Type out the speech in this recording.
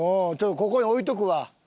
ここに置いとくわ。